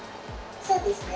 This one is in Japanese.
「そうですね。